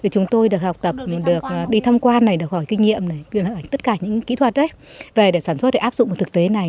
chúng tôi đã học tập đi tham quan được hỏi kinh nghiệm tất cả những kỹ thuật về sản xuất áp dụng thực tế này